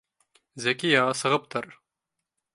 — Зәкиә, сығып тор